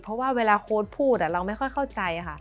เพราะว่าเวลาโค้ดพูดเราไม่ค่อยเข้าใจค่ะ